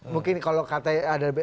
mungkin kalau katanya ada